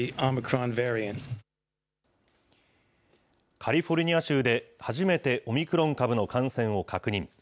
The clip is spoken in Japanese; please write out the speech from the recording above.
カリフォルニア州で初めてオミクロン株の感染を確認。